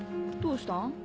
どうしたん？